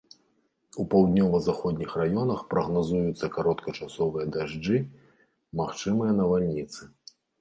У паўднёва-заходніх раёнах прагназуюцца кароткачасовыя дажджы, магчымыя навальніцы.